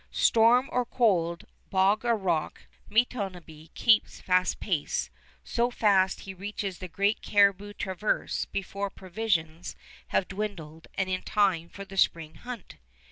Storm or cold, bog or rock, Matonabbee keeps fast pace, so fast he reaches the great caribou traverse before provisions have dwindled and in time for the spring hunt.